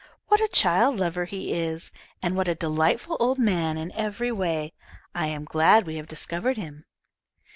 What a child lover he is, and what a delightful old man in every way! I am glad we have discovered him."